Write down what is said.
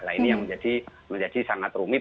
nah ini yang menjadi sangat rumit